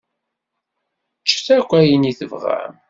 Ččet akk ayen i tebɣam.